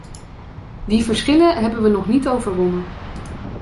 Die verschillen hebben we nog niet overwonnen.